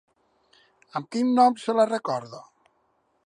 Amb quin nom se la recorda?